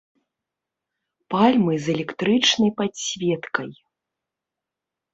Пальмы з электрычнай падсветкай.